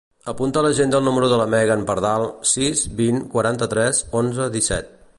Apunta a l'agenda el número de la Megan Pardal: sis, vint, quaranta-tres, onze, disset.